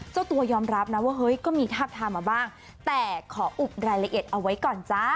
เจ้าตัวยอมรับนะว่าเฮ้ยก็มีทาบทามมาบ้างแต่ขออุบรายละเอียดเอาไว้ก่อนจ้า